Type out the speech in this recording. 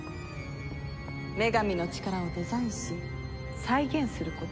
女神の力をデザインし再現することを。